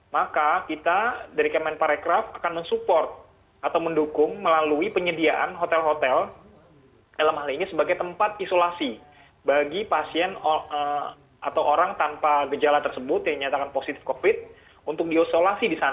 maka kita dari kemen parekraf akan mensupport atau mendukung melalui penyediaan hotel hotel dalam hal ini sebagai tempat isolasi bagi pasien atau orang tanpa gejala tersebut yang nyatakan positif covid untuk diosolasi di sana